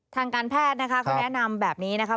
ทางการแพทย์นะคะเขาแนะนำแบบนี้นะคะ